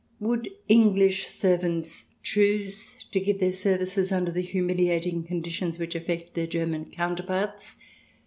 Would English servants choose to give their services under the humiliating conditions which affect their Ger man counterparts?